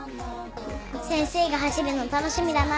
先生が走るの楽しみだな。